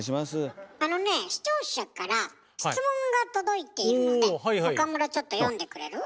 あのね視聴者から質問が届いているので岡村ちょっと読んでくれる？